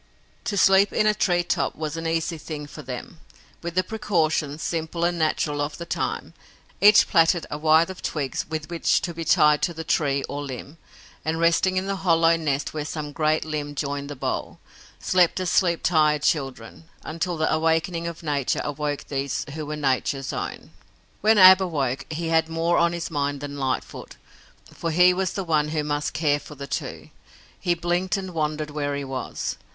To sleep in a tree top was an easy thing for them, with the precautions, simple and natural, of the time. Each plaited a withe of twigs with which to be tied to the tree or limb, and resting in the hollow nest where some great limb joined the bole, slept as sleep tired children, until the awakening of nature awoke these who were nature's own. When Ab awoke, he had more on his mind than Lightfoot, for he was the one who must care for the two. He blinked and wondered where he was.